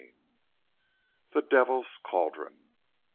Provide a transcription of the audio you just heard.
THE DEVIL'S CAULDRON.